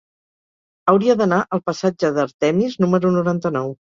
Hauria d'anar al passatge d'Artemis número noranta-nou.